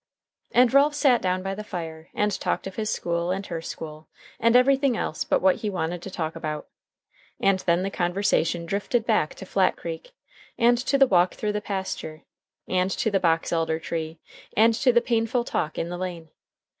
And Ralph sat down by the fire, and talked of his school and her school, and everything else but what he wanted to talk about. And then the conversation drifted back to Flat Creek, and to the walk through the pasture, and to the box elder tree, and to the painful talk in the lane.